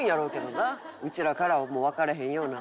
うちらからはもうわからへんような。